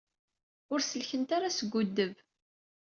Ur sellkent ara seg uweddeb.